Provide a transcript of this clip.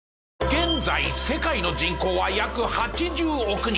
現在世界の人口は約８０億人。